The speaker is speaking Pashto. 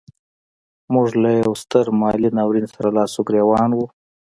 موږ له یوه ستر مالي ناورین سره لاس و ګرېوان وو.